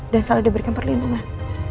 dan selalu diberikan perlindungan